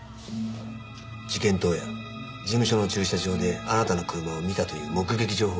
事件当夜事務所の駐車場であなたの車を見たという目撃情報がありました。